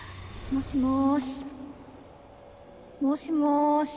もしもし。